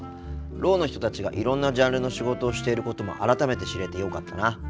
ろうの人たちがいろんなジャンルの仕事をしていることも改めて知れてよかったな。